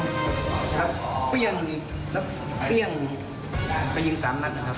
แล้วเปรี้ยงอีกแล้วเปรี้ยงไปยิงสามนัดนะครับ